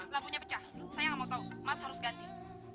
lampunya pecah saya gak mau tau mas harus ganti